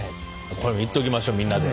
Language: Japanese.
これもいっときましょうみんなで。